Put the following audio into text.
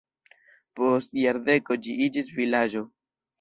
Post jardeko ĝi iĝis vilaĝo.